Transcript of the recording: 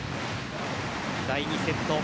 第２セット